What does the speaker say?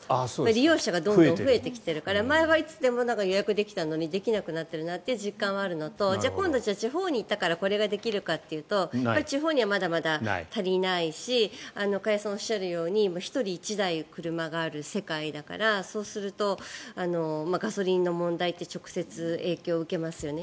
利用者がどんどん増えてきてるから前はいつでも予約できたのにできなくなってるなと実感はあるのとじゃあ今度、地方に行ったからこれができるかというと地方にはまだまだ足りないし加谷さんがおっしゃるように１人１台、車がある世界だからそうすると、ガソリンの問題って直接、影響を受けますよね。